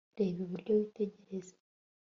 reba iburyo, witegereze